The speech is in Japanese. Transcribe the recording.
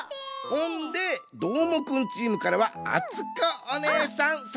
ほんでどーもくんチームからはあつこおねえさんさんかしてや。